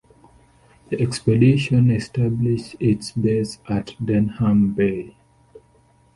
The expedition established its base at Denham Bay.